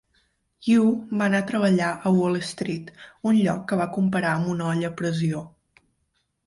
Yu va anar a treballar a Wall Street, un lloc que va comparar amb una olla a pressió.